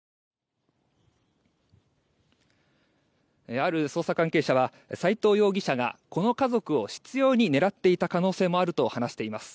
ある捜査関係者は斎藤容疑者がこの家族を執ように狙っていた可能性もあると話しています。